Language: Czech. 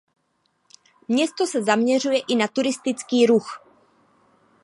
Město se zaměřuje i na turistický ruch.